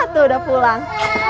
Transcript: ate udah pulang